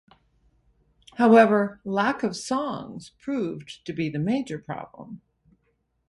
However, lack of songs proved to be the major problem.